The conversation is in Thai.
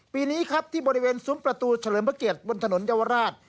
ปีนี้ครับที่บริเวณซุ้มประตูเฉลิมพระเกียรติบนถนนเยาวราช